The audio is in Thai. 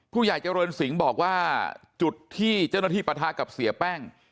ผู้ใหญ่เจริญสิงห์บอกว่าจุดที่เจ้าหน้าที่ปะทะกับเสียแป้ง